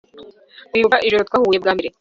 Uribuka ijoro twahuye bwa mbere